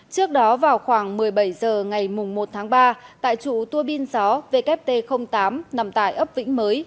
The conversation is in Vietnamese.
trước đó vào khoảng một mươi bảy h ngày một tháng ba tại chủ tua pin gió wt tám nằm tại ấp vĩnh mới